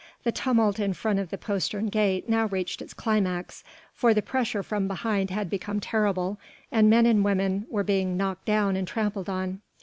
The tumult in front of the postern gate now reached its climax, for the pressure from behind had become terrible, and men and women were being knocked down and trampled on.